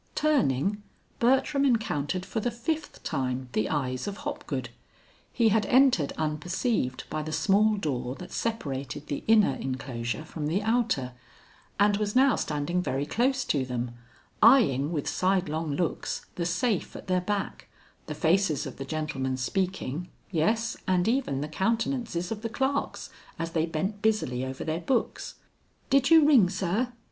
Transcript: Turning, Bertram encountered for the fifth time the eyes of Hopgood. He had entered unperceived by the small door that separated the inner inclosure from the outer, and was now standing very close to them, eying with side long looks the safe at their back, the faces of the gentleman speaking, yes, and even the countenances of the clerks, as they bent busily over their books. "Did you ring, sir?"